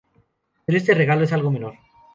Pero este regalo es algo menor.